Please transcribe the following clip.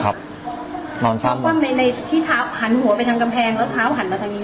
ครับนอนคว่ำคว่ำในในที่เท้าหันหัวไปทางกำแพงแล้วเท้าหันมาทางนี้